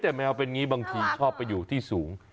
แต่แมวเป็นอย่างนี้บางทีชอบไปอยู่ที่สูง